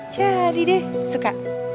jadi deh suka